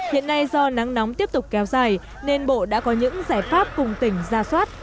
hiện nay do nắng nóng tiếp tục kéo dài nên bộ đã có những giải pháp cùng tỉnh ra soát